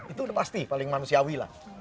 itu udah pasti paling manusiawi lah